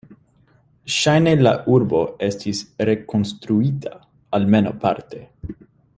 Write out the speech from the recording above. Ŝajne la urbo estis rekonstruita, almenaŭ parte.